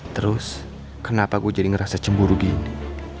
terus kenapa gue jadi ngerasa cemburu gini